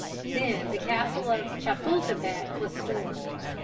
Then the castle of Chapultepec was stormed.